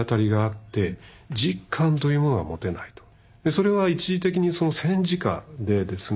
それは一時的に戦時下でですね